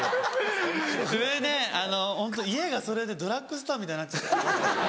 それでホント家がそれでドラッグストアみたいになっちゃって。